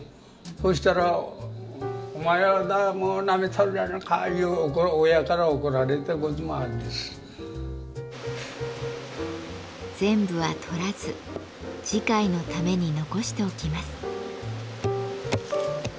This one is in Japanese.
ほしたら「お前がなめとるじゃないか！」いう親から怒られたこともあるんです。全部は採らず次回のために残しておきます。